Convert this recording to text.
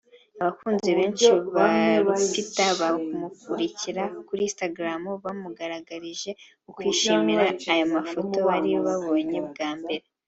Abakunzi benshi ba Lupita bamukurikira kuri Instagram bamugaragarije ukwishimira aya mafoto bari babonye bwa mbere